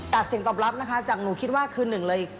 เสียงตอบรับนะคะจากหนูคิดว่าคือหนึ่งเลย